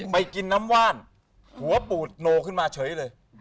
ไปกินน้ำว่านหัวปูดโนขึ้นมาเฉยเลย